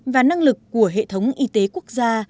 và năng lực của hệ thống y tế quốc gia